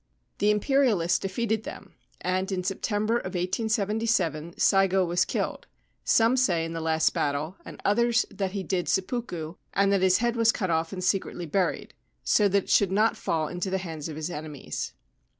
The Imperialists defeated them, and in September of 1877 Saigo was killed — some say in the last battle, and others that he did ' seppuku,' and that his head was cut off and secretly buried, so that it should not fall into the hands of his enemies.